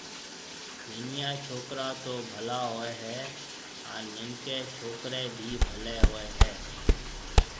ننَيان ڇوڪرا تو ڀلا هوئي هيَ هانَ ننڪيَ ڇوڪريَ بي ڀليَ هوئي هيَ۔